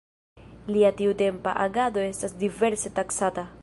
Lia tiutempa agado estas diverse taksata.